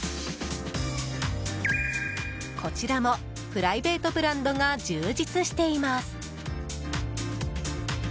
こちらもプライベートブランドが充実しています。